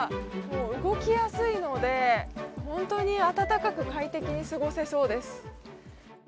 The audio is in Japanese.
動きやすいので、ホントに温かく快適に過ごせそうです。